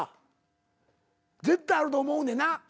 絶対あると思うねんな。